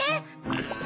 うん。